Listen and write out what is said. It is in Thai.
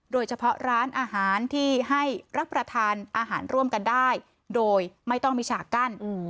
โดยเฉพาะร้านอาหารที่ให้รับประทานอาหารร่วมกันได้โดยไม่ต้องมีฉากกั้น